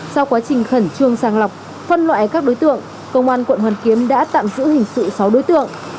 sau quá trình khẩn trương sàng lọc phân loại các đối tượng công an quận hoàn kiếm đã tạm giữ hình sự sáu đối tượng